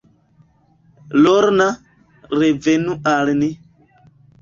Lorna, revenu al ni.